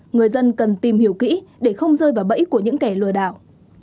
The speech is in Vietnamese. người dân cần tìm hiểu kỹ để không rơi vào bẫy của những kẻ lừa đảo